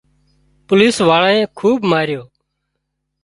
پوليش واۯانئي خوٻ ماريو